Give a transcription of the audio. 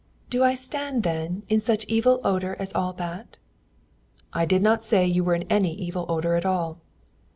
"'Do I stand, then, in such evil odour as all that?' "'I did not say that you were in any evil odour at all.'